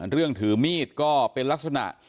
เรื่องถือมีดก็เป็นลักษณะ